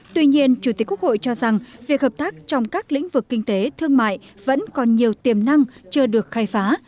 tuy nhiên chủ tịch quốc hội cho rằng việc hợp tác trong các lĩnh vực kinh tế thương mại vẫn còn nhiều tiềm năng chưa được khai phá